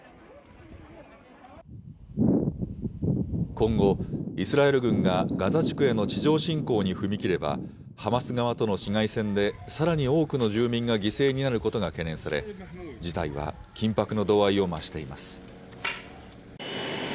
今後、イスラエル軍がガザ地区への地上侵攻に踏み切れば、ハマス側との市街戦でさらに多くの住民が犠牲になることが懸念され、事態は緊迫の度合いを増しています。